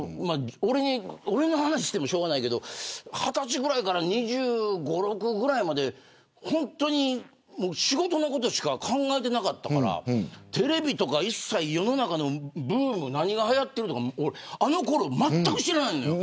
俺の話してもしょうがないけど２０歳ぐらいから２５、２６ぐらいまで本当に仕事のことしか考えてなかったからテレビとか一切世の中のブームとかあのころまったく知らないのよ